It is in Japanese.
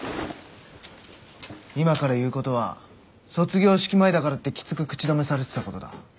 今から言うことは卒業式前だからってきつく口止めされてたことだ。